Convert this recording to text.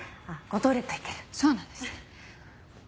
そうなんですね。